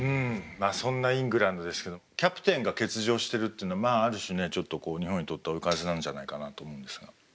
まあそんなイングランドですけどキャプテンが欠場してるっていうのはまあある種ねちょっとこう日本にとっては追い風なんじゃないかなと思うんですが。